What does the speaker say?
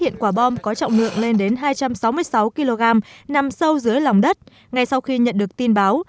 hiện quả bom có trọng lượng lên đến hai trăm sáu mươi sáu kg nằm sâu dưới lòng đất ngay sau khi nhận được tin báo